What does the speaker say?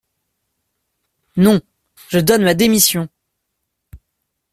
Non, je donne ma démission !